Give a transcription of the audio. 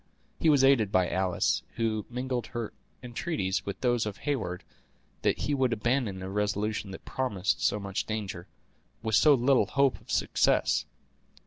He was aided by Alice, who mingled her entreaties with those of Heyward that he would abandon a resolution that promised so much danger, with so little hope of success.